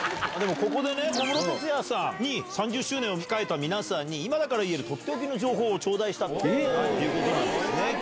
でも、ここでね、小室哲哉さんに３０周年を控えた皆さんに今だから言える取って置きの情報をちょうだいしたということなんですね。